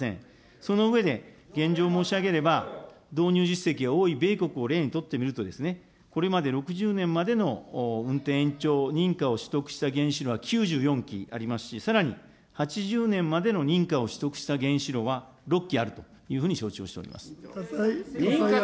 その上で、現状申し上げれば、導入実績が多い米国を例にとってみると、これまで６０年までの運転延長、認可を取得した原子炉は９４基ありますし、さらに、８０年までの認可を取得した原子炉は６基あるというふうに承知を笠井亮君。